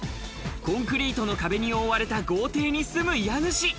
コンクリートの壁に覆われた豪邸に住む家主。